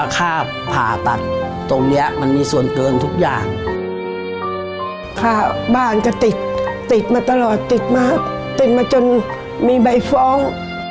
ก็ติดติดมาตลอดติดมาติดมาจนมีใบฟ้อง